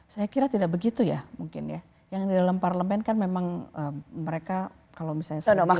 saya kira tidak begitu ya mungkin ya yang di dalam parlemen kan memang mereka kalau misalnya sudah masuk